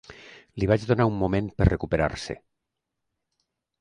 Li vaig donar un moment per recuperar-se.